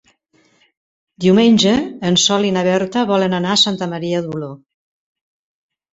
Diumenge en Sol i na Berta volen anar a Santa Maria d'Oló.